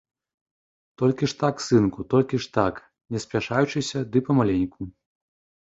Толькі ж так, сынку, толькі ж так, не спяшаючыся ды памаленьку.